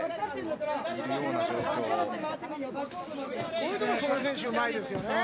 こういうところ祖根選手、うまいですよね。